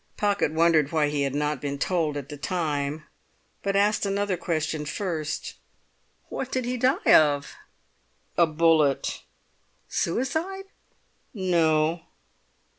Pocket wondered why he had not been told at the time, but asked another question first. "What did he die of?" "A bullet!" "Suicide?" "No."